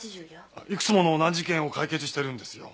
いくつもの難事件を解決してるんですよ。